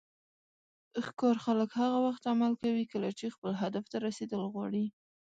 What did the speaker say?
ښکار خلک هغه وخت عمل کوي کله چې خپل هدف ته رسیدل غواړي.